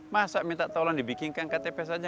masa minta tolong dibikinkan ktp saja